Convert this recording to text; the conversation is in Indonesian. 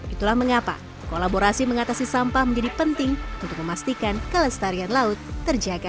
itulah mengapa kolaborasi mengatasi sampah menjadi penting untuk memastikan kelestarian laut terjaga